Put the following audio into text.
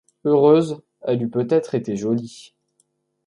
Heureuse, elle eût peut-être été jolie.